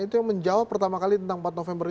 itu yang menjawab pertama kali tentang empat november